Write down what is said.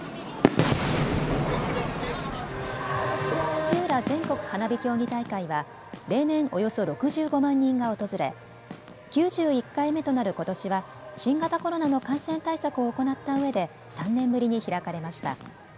土浦全国花火競技大会は例年、およそ６５万人が訪れ９１回目となることしは新型コロナの感染対策を行ったうえで３年ぶりに開かれました。